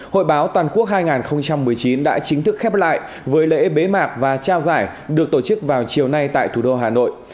hội báo toàn quốc hai nghìn một mươi chín đã chính thức khép lại với lễ bế mạc và trao giải được tổ chức vào chiều nay tại thủ đô hà nội